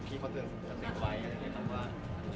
คือมันออกไปแล้วก็หลายรายเว็บหรือหลายที่